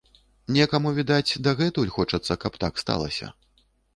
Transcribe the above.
Некаму, відаць, дагэтуль хочацца, каб так сталася.